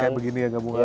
kayak begini ya gabungan